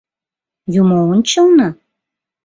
— Юмо ончылно?